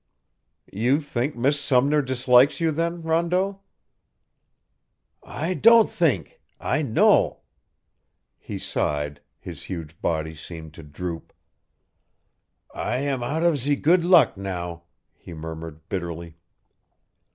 "You think Miss Sumner dislikes you then, Rondeau?" "I don' theenk. I know." He sighed; his huge body seemed to droop. "I am out of zee good luck now," he murmured bitterly.